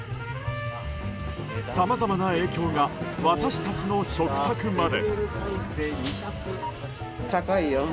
さまざまな影響が私たちの食卓まで。